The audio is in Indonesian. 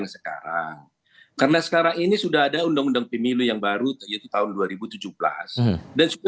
nah di dalam perusahaan undang undang pemilihan tahun dua ribu tujuh belas